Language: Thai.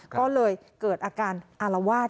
ก็เลยเกิดอาการอารวาส